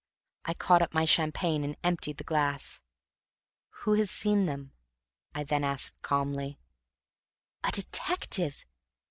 I caught up my champagne and emptied the glass. "Who has seen them?" I then asked calmly. "A detective.